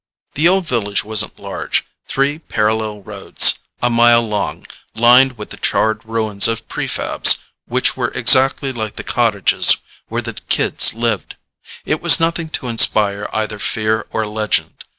The Old Village wasn't large three parallel roads, a mile long, lined with the charred ruins of prefabs, which were exactly like the cottages where the kids lived. It was nothing to inspire either fear or legend.